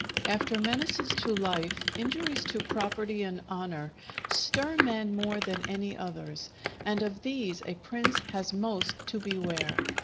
After menaces to life, injuries to property and honour stir men more than any others, and of these a Prince has most to beware.